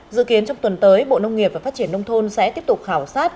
dự kiến trong tuần tới bộ nông nghiệp và phát triển nông thôn sẽ tiếp tục khảo sát